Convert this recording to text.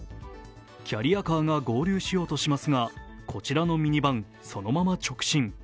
キャリアカーが合流しようとしますが、こちらのミニバン、そのまま直進。